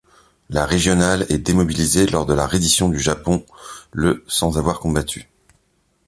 La régionale est démobilisée lors de la reddition du Japon le sans avoir combattu.